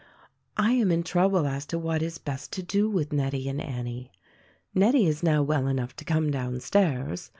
I am in trouble as to what is best to do with Nettie and Annie. Nettie is now well enough to come down stairs.